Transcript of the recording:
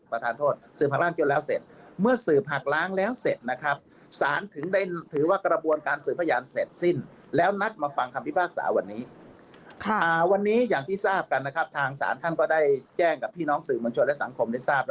ประทานโทษสืบหักล้างจนแล้วเสร็จเมื่อสืบหักล้างแล้วเสร็จนะครับ